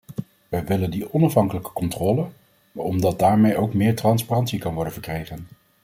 We willen die onafhankelijke controle, omdat daarmee ook meer transparantie kan worden verkregen.